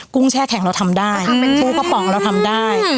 ุ้งแช่แข็งเราทำได้เป็นกุ้งกระป๋องเราทำได้